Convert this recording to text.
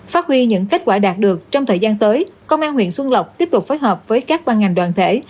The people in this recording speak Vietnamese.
phát huy những kết quả đạt được trong thời gian tới công an huyện xuân lộc tiếp tục phối hợp với các ban ngành đoàn thể